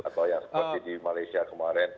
atau yang seperti di malaysia kemarin